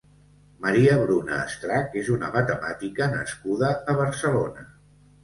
Maria Bruna Estrach és una matemàtica nascuda a Barcelona.